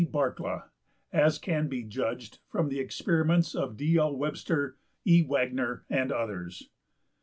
~Barkla, as can be judged from the experiments of D.~L.~Webster, E.~Wagner, and others.